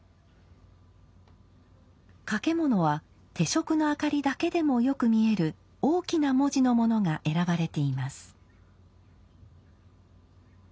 掛物は手燭の明かりだけでもよく見える大きな文字のものが選ばれています。